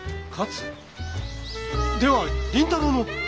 勝では麟太郎の？